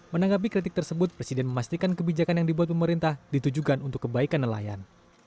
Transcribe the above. menanggapi kritik tersebut presiden memastikan kebijakan yang dibuat pemerintah ditujukan untuk kebaikan nelayan